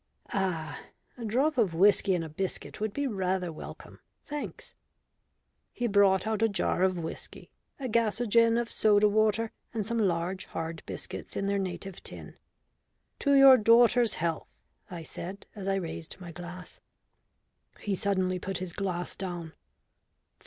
"Ah, a drop of whisky and a biscuit would be rather welcome. Thanks." He brought out a jar of whisky, a gasogen of soda water, and some large hard biscuits in their native tin. "To your daughter's health," I said, as I raised my glass. He suddenly put his glass down.